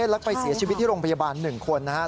แล้วไปเสียชีวิตที่โรงพยาบาล๑คนนะครับ